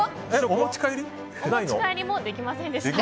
お持ち帰りもできませんでした。